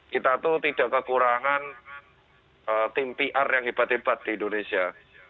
kita tuh tidak kekurangan tim pr yang hebat hebat di indonesia